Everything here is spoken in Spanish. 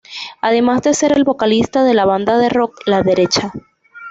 Además de ser el vocalista de la banda de Rock, La Derecha.